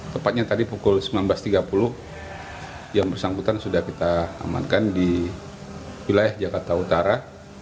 tepatnya tadi pukul sembilan belas tiga puluh yang bersangkutan sudah kita amankan di wilayah jakarta utara